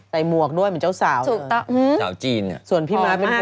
ใส่หมวกด้วยเหมือนเจ้าสาวเนี่ยสาวจีนอะพอมากด้วยส่วนพี่ม้าเป็นผมแกะ